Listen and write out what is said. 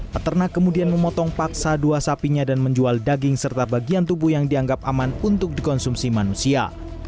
peternak kemudian memotong paksa dua sapinya dan menjual daging serta bagian tubuh yang dianggap aman untuk dikonsumsi manusia